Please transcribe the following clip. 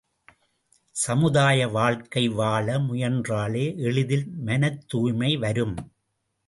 சமுதாய வாழ்க்கை வாழ முயன்றாலே எளிதில் மனத்துாய்மை வரும்.